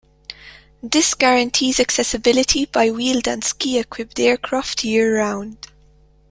This guarantees accessibility by wheeled and ski equipped aircraft year round.